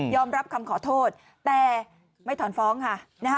รับคำขอโทษแต่ไม่ถอนฟ้องค่ะ